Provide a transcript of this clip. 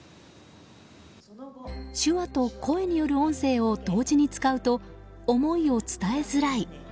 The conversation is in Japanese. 手話と声による音声を同時に使うと思いを伝えづらい。